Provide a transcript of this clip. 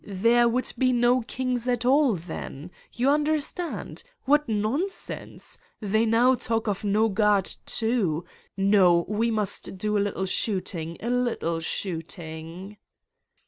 There would be no kings at all then. You understand? What nonsense! They now talk of no God, too. No, we must do a little shooting, a little shooting